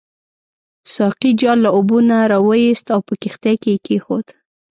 ساقي جال له اوبو نه راوایست او په کښتۍ کې کېښود.